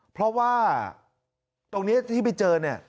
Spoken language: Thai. เพราะว่าตรงนี้ที่ไปเจอเนี่ย